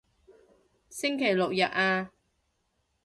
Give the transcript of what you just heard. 星期六日啊